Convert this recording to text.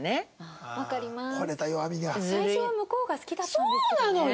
そうなのよ！